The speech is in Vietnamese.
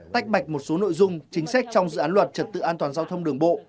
tách bạch một số nội dung chính sách trong dự án luật trật tự an toàn giao thông đường bộ